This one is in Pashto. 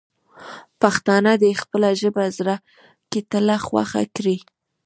پښتانه دې خپله ژبه د زړه له تله خوښه کړي.